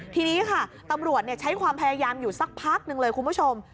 ทีนี้ค่ะตำรวจใช้ความพยายามอยู่สักพักหนึ่งเลยคุณผู้ชม